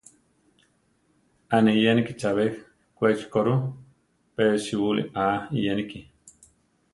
‘A ne iyéniki chabé Kwéchi ko rʼu; pe síbuli aa iyéniki.